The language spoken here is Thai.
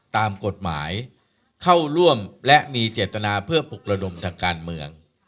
ตามกฎหมายเข้าร่วมและมีเจตนาเพื่อปลุกระดมทางการเมือง